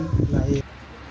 dan kemudian naik